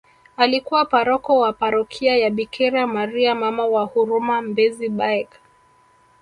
Alikuwa paroko wa parokia ya Bikira maria Mama wa huruma mbezi baech